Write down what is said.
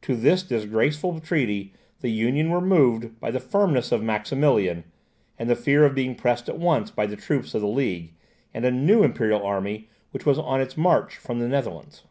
To this disgraceful treaty, the Union were moved by the firmness of Maximilian, and the fear of being pressed at once by the troops of the League, and a new Imperial army which was on its march from the Netherlands.